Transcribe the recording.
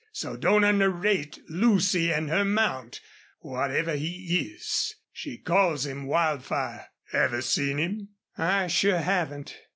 So don't underrate Lucy an' her mount, whatever he is. She calls him Wildfire. Ever see him?" "I sure haven't.